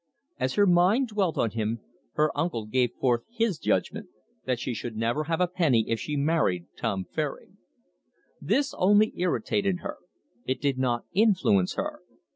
As her mind dwelt on him, her uncle gave forth his judgment, that she should never have a penny if she married Tom Fairing. This only irritated her, it did not influence her.